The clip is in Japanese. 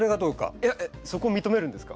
えっそこ認めるんですか？